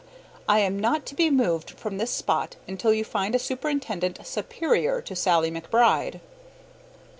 I am not to be moved from this spot until you find a superintendent superior to Sallie McBride.